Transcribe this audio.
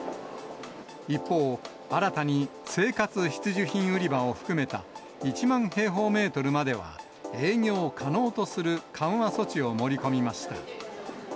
一方、新たに生活必需品売り場を含めた、１万平方メートルまでは営業可能とする緩和措置を盛り込みました。